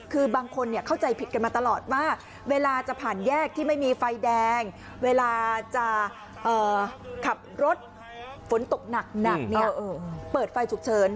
คือบางคนเข้าใจผิดกันมาตลอดว่าเวลาจะผ่านแยกที่ไม่มีไฟแดงเวลาจะขับรถฝนตกหนักเปิดไฟฉุกเฉิน